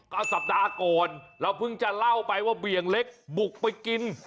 ก็สัปดาห์ก่อนเราเพิ่งจะเล่าไปว่าเบี่ยงเล็กบุกไปกิน